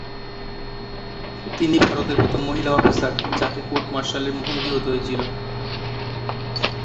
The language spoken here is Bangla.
তিনি ভারতের প্রথম মহিলা অফিসার, যাঁকে কোর্ট মার্শালের মুখোমুখি হতে হয়েছিল।